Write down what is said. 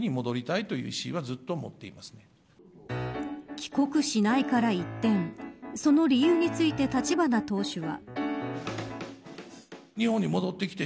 帰国しない、から一転その理由について立花党首は。